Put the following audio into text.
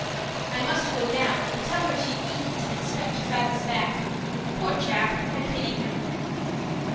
"I must go down and tell her she needn't expect Travis back. Poor chap, I pity him!"